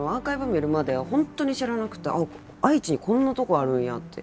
見るまでは本当に知らなくてあっ愛知にこんなとこあるんやって。